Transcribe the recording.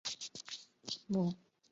母为大江磐代。